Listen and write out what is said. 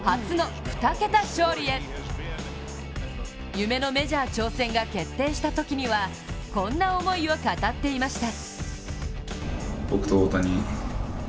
夢のメジャー挑戦が決定したときにはこんな思いを語っていました。